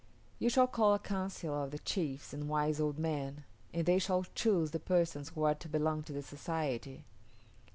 "' You shall call a council of the chiefs and wise old men, and they shall choose the persons who are to belong to the society.